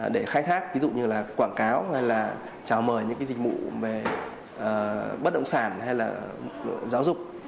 để khai thác ví dụ như là quảng cáo hay là chào mời những dịch vụ về bất động sản hay là giáo dục